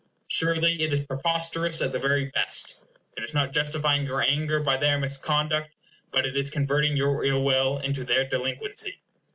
Surely it is preposterous at the very best. It is not justifying your anger by their misconduct, but it is converting your ill will into their delinquency.